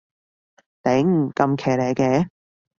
頂，咁騎呢嘅